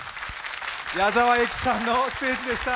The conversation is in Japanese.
矢沢永吉さんのステージでした。